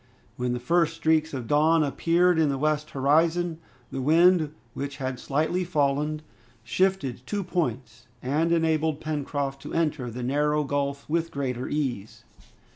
When the first streaks of dawn appeared in the western horizon, the wind, which had slightly fallen, shifted two points, and enabled Pencroft to enter the narrow gulf with greater ease.